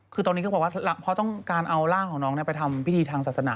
คือตอนนี้ก็บอกว่าเพราะต้องการเอาร่างของน้องไปทำพิธีทางศาสนา